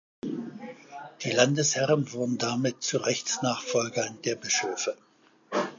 Die Landesherren wurden damit zu Rechtsnachfolgern der Bischöfe.